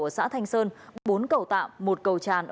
ở xã thanh sơn bốn cầu tạm một cầu tràn